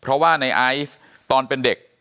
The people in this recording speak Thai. เพราะเนยไอศ์ตอนเป็นเด็ก